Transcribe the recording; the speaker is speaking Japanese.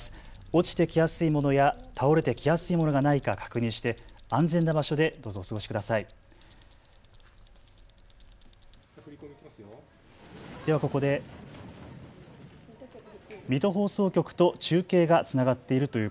落ちてきやすいものや倒れてきやすいものがないか確認して安全な場所でどうぞお過ごしください。